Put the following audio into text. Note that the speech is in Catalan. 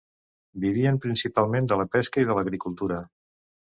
Vivien principalment de la pesca i de l'agricultura.